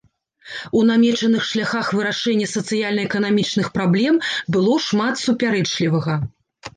У намечаных шляхах вырашэння сацыяльна-эканамічных праблем было шмат супярэчлівага.